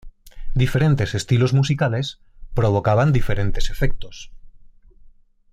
Diferentes estilos musicales provocaban diferentes efectos.